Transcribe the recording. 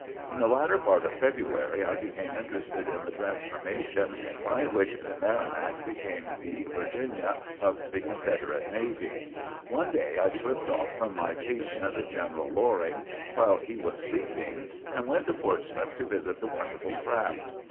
In the latter part of February, I became interested in the transformation by which the "Merrimac" became the "Virginia" of the Confederate Navy. One day I slipped off from my patient, General Loring, while he was sleeping, and went to Portsmouth to visit the wonderful craft.